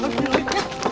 berhubungan dengan pak